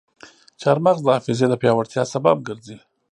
چارمغز د حافظې د پیاوړتیا سبب ګرځي.